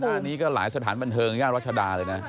หน้านี้ก็หลายสถานบันเทิงย่านรัชดาเลยนะ